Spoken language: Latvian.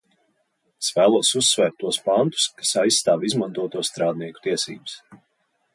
Es vēlos uzsvērt tos pantus, kas aizstāv izmantoto strādnieku tiesības.